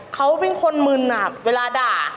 เขาเป็นคนมึนเวลาด่า